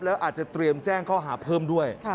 แล้วอาจจะเตรียมแจ้งข้อหาเพิ่มด้วย